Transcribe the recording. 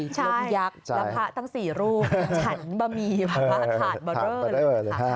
ฉันบะหมี่ผาดบะเริ่ม